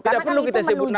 tidak perlu kita sebut nama